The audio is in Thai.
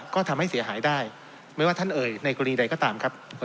ก็ทำให้เสียหายได้ไม่ว่าท่านเอ่ยในกรณีใดก็ตามครับ